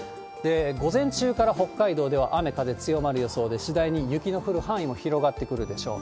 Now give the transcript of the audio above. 午前中から北海道では雨、風強まる予想で、次第に雪の降る範囲も広がってくるでしょう。